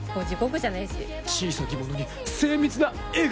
小さきものに精密な絵が！